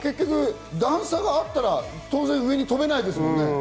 段差があったら当然、上に跳べないですもんね。